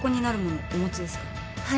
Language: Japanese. はい。